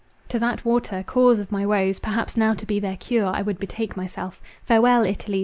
To that water—cause of my woes, perhaps now to be their cure, I would betake myself. Farewell, Italy!